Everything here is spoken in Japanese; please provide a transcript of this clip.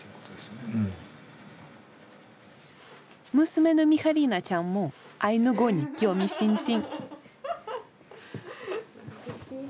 娘のミハリナちゃんもアイヌ語に興味津々。